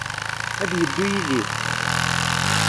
Ad yeddu yid-i?